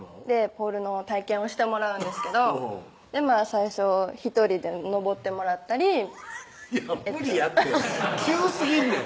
ポールの体験をしてもらうんですけど最初１人で上ってもらったりいや無理やって急すぎんねん